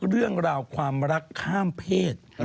เรื่องราวความรักข้ามเพศ